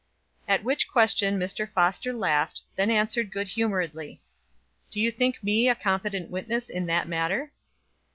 At which question Mr. Foster laughed, then answered good humoredly: "Do you think me a competent witness in that matter?"